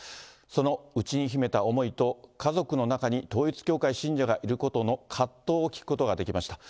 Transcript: その内に秘めた思いと、家族の中に統一教会信者がいることの葛藤を聞くことができました。